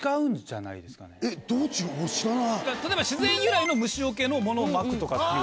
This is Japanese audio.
例えば自然由来の虫よけのものをまくとかっていう。